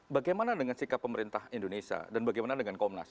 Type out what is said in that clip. bagaimana dengan sikap pemerintah indonesia dan bagaimana dengan komnas